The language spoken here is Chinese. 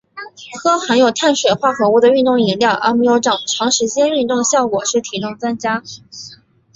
喝含有碳水化合物的运动饮料而没有长时间运动的效果是体重增加。